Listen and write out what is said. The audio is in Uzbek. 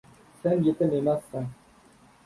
Sen yetim emassan.